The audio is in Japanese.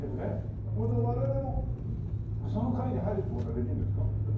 我々もその会に入るって事はできるんですか？